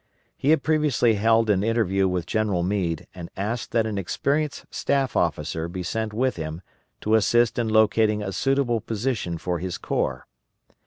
He had previously held an interview with General Meade and asked that an experienced staff officer be sent with him to assist in locating a suitable position for his corps.